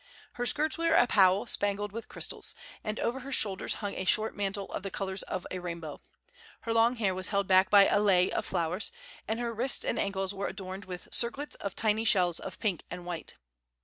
Her skirts were a pau spangled with crystals, and over her shoulders hung a short mantle of the colors of a rainbow. Her long hair was held back by a lei of flowers, and her wrists and ankles were adorned with circlets of tiny shells of pink and white.